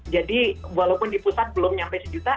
jadi walaupun di pusat belum sampai sejuta